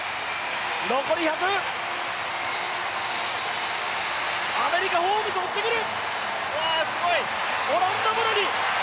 残り１００、アメリカ・ホームズ追ってくる！